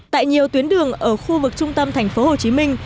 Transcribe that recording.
tại nhiều tuyến đường ở khu vực trung tâm thành phố hồ chí minh